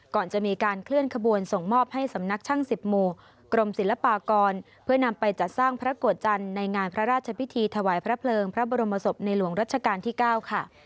ก่อนจะมีการเคลื่อนขบวนส่งมอบให้สำนักช่างสิบหมู่กรมศิลปากรเพื่อนำไปจัดสร้างพระโกรธจันทร์ในงานพระราชพิธีถวายพระเพลิงพระบรมศพในหลวงรัชกาลที่๙ค่ะ